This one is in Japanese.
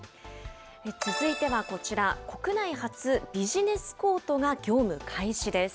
続いてはこちら、国内初、ビジネス・コートが業務開始です。